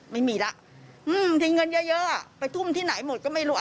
ไม่มีแล้วที่เงินเยอะไปทุ่มที่ไหนหมดก็ไม่รู้